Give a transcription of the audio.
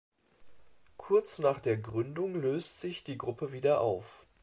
Kurz nach der Gründung löst sich die Gruppe wieder auf.